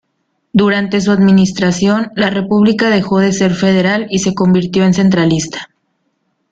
Durante su administración, la república dejó de ser federal y se convirtió en centralista.